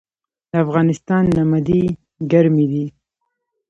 د افغانستان نمدې ګرمې دي